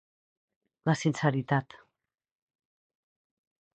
La sinceritat.